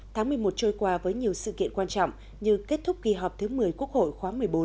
tháng một mươi một trôi qua với nhiều sự kiện quan trọng như kết thúc kỳ họp thứ một mươi quốc hội khóa một mươi bốn